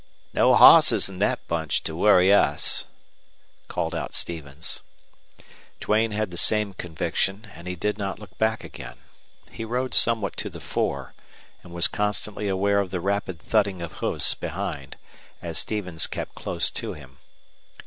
"No hosses in thet bunch to worry us," called out Stevens. Duane had the same conviction, and he did not look back again. He rode somewhat to the fore, and was constantly aware of the rapid thudding of hoofs behind, as Stevens kept close to him.